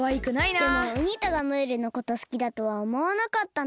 でもウニ太がムールのことすきだとはおもわなかったな。